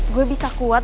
gue bisa kuat